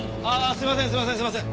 すいませんすいません。